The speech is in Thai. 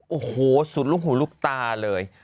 โอ้โหสุดลูกหูลูกตาเลย